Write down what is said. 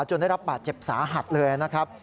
ได้รับบาดเจ็บสาหัสเลยนะครับ